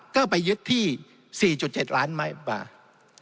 ก็ไปยึดที่๔๗ล้านบาท